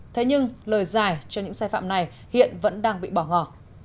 thế nhưng lời giải cho những sai phạm này hiện vẫn đang bị bỏ ngỏ